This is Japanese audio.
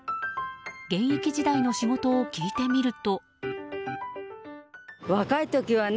現役時代の仕事を聞いてみると。